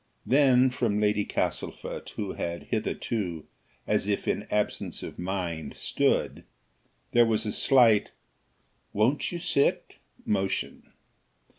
Then, from Lady Castlefort, who had hitherto, as if in absence of mind, stood, there was a slight "Won't you sit?" motion.